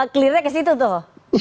kelihatan ke situ tuh